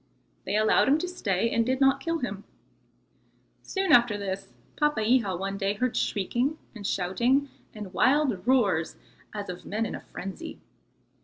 They allowed him to stay, and did not kill him. Soon after this, Papeiha one day heard shrieking and shouting and wild roars as of men in a frenzy.